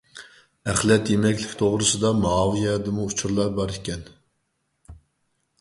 ئەخلەت يېمەكلىك توغرىسىدا ماۋۇ يەردىمۇ ئۇچۇرلار باركەن.